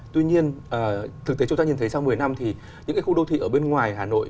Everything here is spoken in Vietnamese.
tuy nhiên thực tế chúng ta nhìn thấy sau một mươi năm thì những cái khu đô thị ở bên ngoài hà nội